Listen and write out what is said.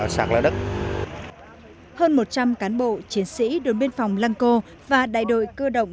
giữ đất hơn một trăm linh cán bộ chiến sĩ đối biên phòng lang co và đại đội cơ đồng